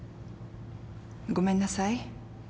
ごめんなさい。